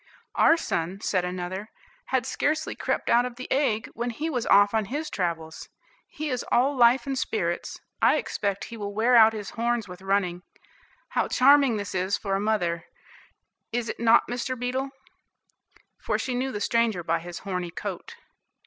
"Our son," said another, "had scarcely crept out of the egg, when he was off on his travels. He is all life and spirits, I expect he will wear out his horns with running. How charming this is for a mother, is it not Mr. Beetle?" for she knew the stranger by his horny coat.